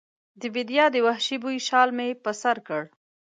د بیدیا د وحشي بوی شال مې پر سر کړ